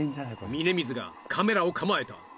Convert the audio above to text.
峯水がカメラを構えた！